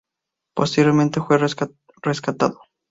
Posteriormente fue rescatado.